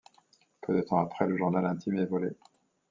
Peu de temps après, le journal intime est volé.